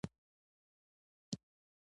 دین فقاهتي تعبیر پر نورو غالب شو.